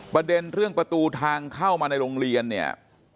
ประเด็นเรื่องประตูทางเข้ามาในโรงเรียนเนี่ย